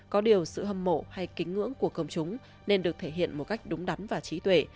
có điều sự hâm mộ hay kính ngưỡng của công chúng nên được thể hiện một cách đúng đắn và trí tuệ